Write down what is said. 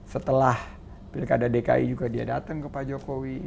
setelah pilkada dki juga dia datang ke pak jokowi